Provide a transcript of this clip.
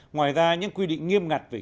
ngoài ra những quy định nghiêm ngặt về